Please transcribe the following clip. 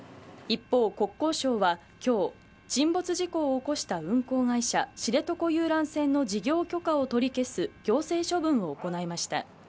一方、国交省は今日沈没事故を起こした運航会社知床遊覧船の事業許可を取り消す行政処分を行いました。